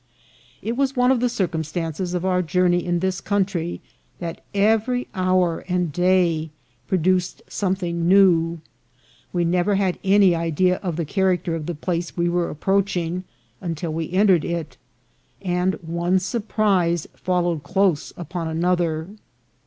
It was one of the circumstances of our journey in this country that every hour and day produced some thing new. We never had any idea of the character of the place we were approaching until we entered it, and one surprise followed close upon another.